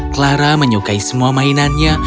clara menyukai semua mainannya